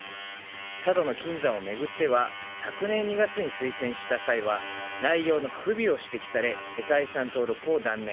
佐渡の金山を巡っては昨年２月に推薦した際は内容の不備を指摘され世界遺産登録を断念。